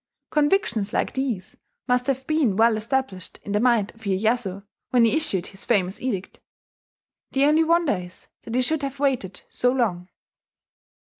Convictions like these must have been well established in the mind of Iyeyasu when he issued his famous edict. The only wonder is that he should have waited so long.